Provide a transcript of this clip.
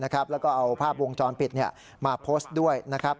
แล้วก็เอาภาพวงจรปิดมาโพสต์ด้วยนะครับ